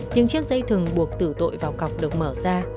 những chiếc dây thường buộc tử tội vào cọc được mở ra